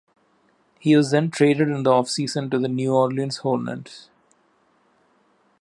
He was then traded in the offseason to the New Orleans Hornets.